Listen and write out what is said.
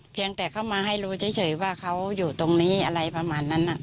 เพียงแต่เข้ามาให้รู้เฉยว่าเขาอยู่ตรงนี้อะไรประมาณนั้น